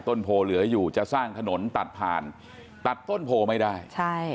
ต้นโพเหลืออยู่จะสร้างถนนตัดผ่านตัดต้นโพไม่ได้ใช่